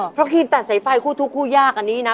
เพราะครีมตัดสายไฟคู่ทุกคู่ยากอันนี้นะ